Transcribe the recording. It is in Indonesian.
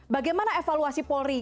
bagaimana evaluasi polri